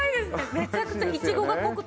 めちゃくちゃイチゴが濃くて。